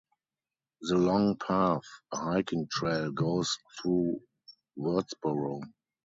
The Long Path, a hiking trail, goes through Wurtsboro.